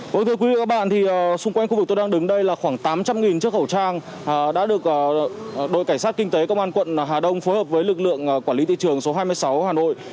công an quận hà đông hà nội đã phối hợp với lực lượng quản lý thị trường số hai mươi sáu hà nội